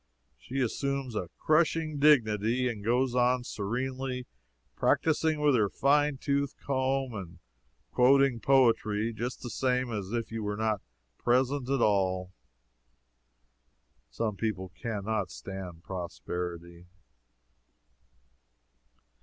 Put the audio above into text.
She assumes a crushing dignity and goes on serenely practicing with her fine tooth comb and quoting poetry just the same as if you were not present at all. Some people can not stand prosperity.